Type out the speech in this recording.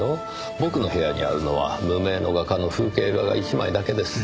僕の部屋にあるのは無名の画家の風景画が１枚だけです。